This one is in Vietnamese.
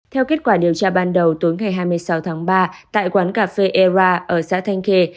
theo kết quả điều tra ban đầu tối ngày hai mươi sáu tháng ba tại quán cà phê era ở xã thanh khê